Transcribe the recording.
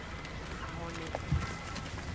Ahone.